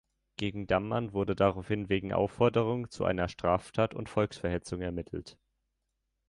Gegen Dammann wurde daraufhin wegen Aufforderung zu einer Straftat und Volksverhetzung ermittelt.